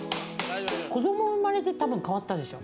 子ども生まれて多分、変わったでしょ。